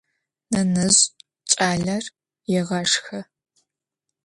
Nenezj ç'aler yêğaşşxe.